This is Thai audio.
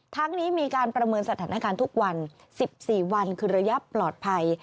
ทั้งนี้มีการประเมินสถานการณ์ทุกวัน๑๔วันคือระยะปลอดภัย